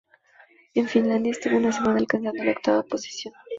En Finlandia estuvo una semana, alcanzando la octava posición.